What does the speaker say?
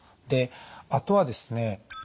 であとはですね